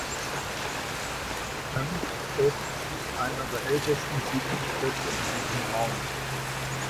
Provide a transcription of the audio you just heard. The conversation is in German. Tangstedt ist einer der ältesten Siedlungsplätze in diesem Raum.